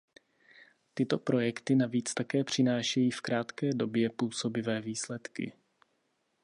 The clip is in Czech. Tyto projekty navíc také přinášejí v krátké době působivé výsledky.